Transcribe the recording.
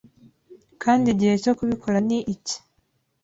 Kandi igihe cyo kubikora ni iki